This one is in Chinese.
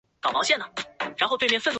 湖水流入劳动公园的荷花池。